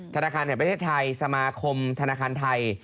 ธนาคารแห่งประเทศไทยสมาคมธนาคารไทย